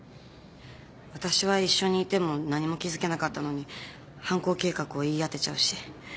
私は一緒にいても何も気付けなかったのに犯行計画を言い当てちゃうし。